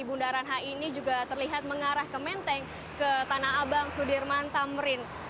bundaran hi ini juga terlihat mengarah ke menteng ke tanah abang sudirman tamrin